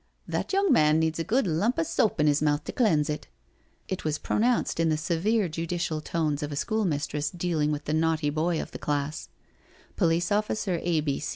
" That young man needs a good lump of soap in his mouth to cleanse it." It was pronounced in the severe, judicial tones of a school mistress dealing with the naughty boy of the class. Police officer A.